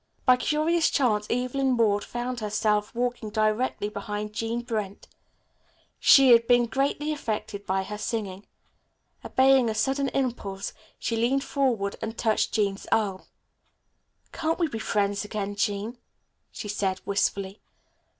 By curious chance Evelyn Ward found herself walking directly behind Jean Brent. She had been greatly affected by her singing. Obeying a sudden impulse, she leaned forward and touched Jean's arm. "Can't we be friends again, Jean," she said wistfully.